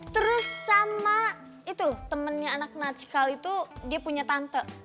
terus sama itu temennya anak nacikal itu dia punya tante